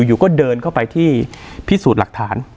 อยู่ก็เดินเข้าไปที่พิสูจน์หลักฐาน